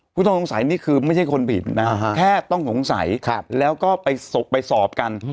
ผู้ต้องสงสัยนี่คือไม่ใช่คนผิดนะฮะแค่ต้องสงสัยแล้วก็ไปสอบกัน